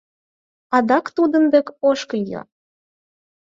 Адак тудын дек ошкыльо.